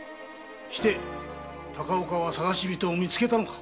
して高岡は捜し人を見つけたのか？